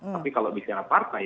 tapi kalau bicara partai